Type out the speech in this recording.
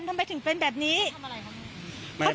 ทำไมถึงเป็นแบบนี้ทำอะไรครับ